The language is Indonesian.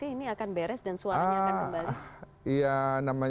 ini akan beres dan suaranya akan kembali